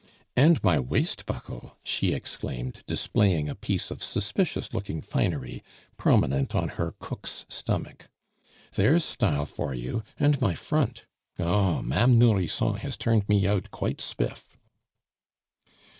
"And my waist buckle!" she exclaimed, displaying a piece of suspicious looking finery, prominent on her cook's stomach, "There's style for you! and my front! Oh, Ma'me Nourrisson has turned me out quite spiff!"